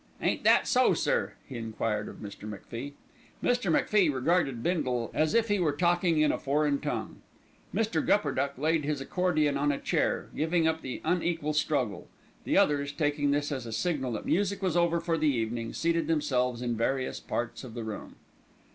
Ain't that so, sir?" he enquired of Mr. MacFie. Mr. MacFie regarded Bindle as if he were talking in a foreign tongue. Mr. Gupperduck laid his accordion on a chair, giving up the unequal struggle. The others, taking this as a signal that music was over for the evening, seated themselves in various parts of the room.